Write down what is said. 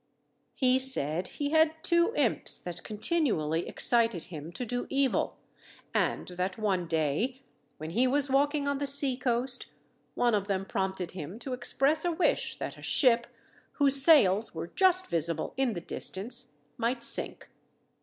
He said he had two imps that continually excited him to do evil; and that one day, when he was walking on the sea coast, one of them prompted him to express a wish that a ship, whose sails were just visible in the distance, might sink.